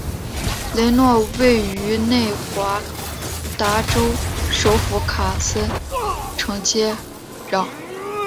雷诺位于内华达州首府卡森城接壤。